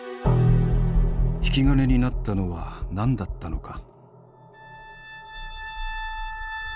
引き金になったのは何だったのか？